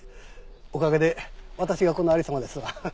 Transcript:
おかげで私がこの有り様ですわ。